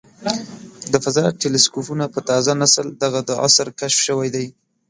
د فضا د ټیلسکوپونو په تازه نسل دغه د عصر کشف شوی دی.